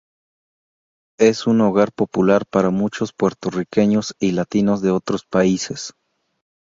Es un hogar popular para muchos puertorriqueños y latinos de otros países.